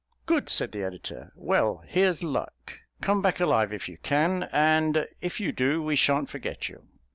"Good," said the editor. "Well, here's luck. Come back alive if you can, and if you do we shan't forget you."